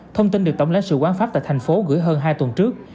thông tin được tổng lãnh sự quán pháp tại thành phố gửi hơn hai tuần trước